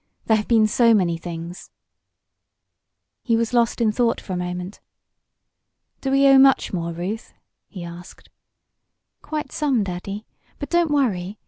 There have been so many things " He was lost in thought for a moment. "Do we owe much more, Ruth?" he asked. "Quite some, Daddy. But don't worry.